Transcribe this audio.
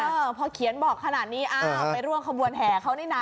เออพอเขียนบอกขนาดนี้อ้าวไปร่วมขบวนแห่เขานี่นะ